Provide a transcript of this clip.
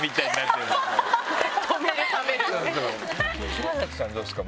島崎さんはどうですか？